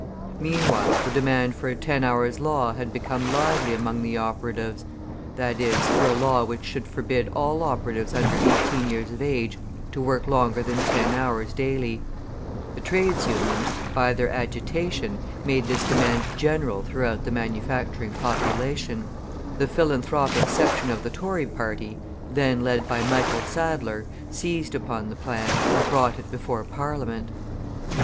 Meanwhile, the demand for a ten hours' law had become lively among the operatives; that is, for a law which should forbid all operatives under eighteen years of age to work longer than ten hours daily; the Trades Unions, by their agitation, made this demand general throughout the manufacturing population; the philanthropic section of the Tory party, then led by Michael Sadler, seized upon the plan, and brought it before Parliament.